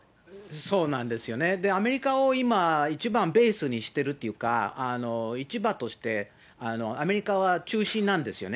そうなんですよね、アメリカを今、一番ベースにしてるっていうか、市場として、アメリカは中心なんですよね。